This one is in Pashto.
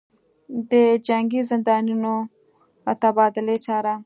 دجنګي زندانیانودتبادلې چاره